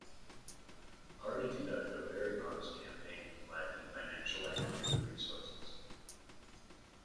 The party conducted a very modest campaign, lacking financial and human resources.